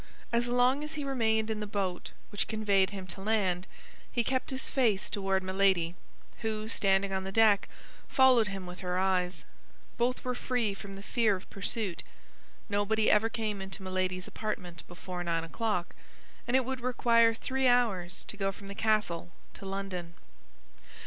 As long as he remained in the boat which conveyed him to land, he kept his face toward Milady, who, standing on the deck, followed him with her eyes. Both were free from the fear of pursuit; nobody ever came into Milady's apartment before nine o'clock, and it would require three hours to go from the castle to London.